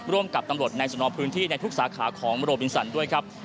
กับตำรวจในสนพื้นที่ในทุกสาขาของโรบินสันด้วยครับ